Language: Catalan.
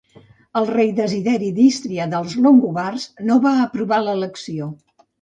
El rei Desideri d'Ístria dels longobards no va aprovar l'elecció.